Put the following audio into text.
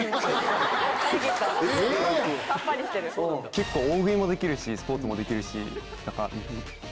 結構大食いもできるしスポーツもできるし何か。